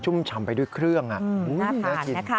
ชุ่มฉ่ำด้วยเครื่องน่ากิน